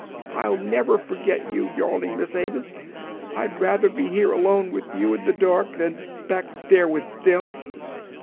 I'll never forget you, darling Miss Avis! I'd rather be here alone with you in the dark than back there with them."